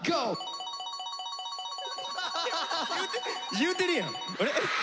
言うてるやん！